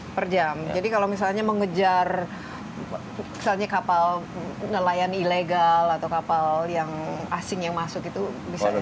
per jam jadi kalau misalnya mengejar misalnya kapal nelayan ilegal atau kapal yang asing yang masuk itu bisa lebih